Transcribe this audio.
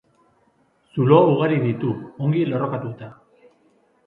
Zulo ugari ditu ongi lerrokatuta.